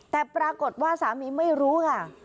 แต่ปรากฏว่าสามีไม่รู้ค่ะ